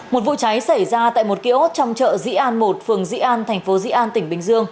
một vụ cháy xảy ra tại một kiosk trong chợ dĩ an một phường dĩ an thành phố dĩ an tỉnh bình dương